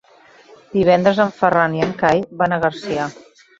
Divendres en Ferran i en Cai van a Garcia.